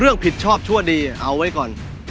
เรื่องผิดชอบชั่วดีเอาไว้ก่อน